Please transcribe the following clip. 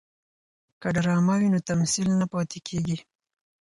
که ډرامه وي نو تمثیل نه پاتې کیږي.